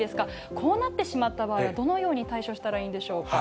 こうなってしまった場合はどのように対処したらいいんでしょうか。